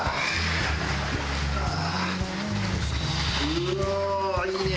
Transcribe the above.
うわあいいね！